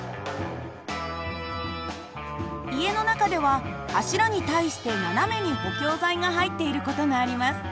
家の中では柱に対して斜めに補強材が入っている事があります。